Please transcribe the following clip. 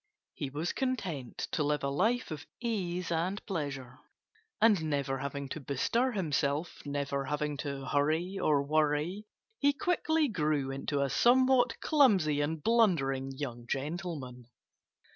He was content to live a life of ease and pleasure. And never having to bestir himself never having to hurry or worry he quickly grew into a somewhat clumsy and blundering young gentleman.